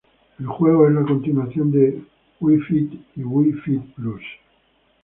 El juego es la continuación de Wii Fit y Wii Fit Plus.